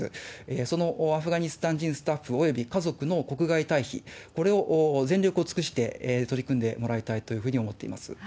そのアフガニスタン人スタッフ、および家族の国外退避、これを全力を尽くして取り組んでもらいたいというふうに思っております。